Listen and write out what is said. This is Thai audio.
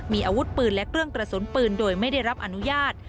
มีอาวุธปืนและเครื่องกระสุนปืนโดยไม่ได้รับอนุญาต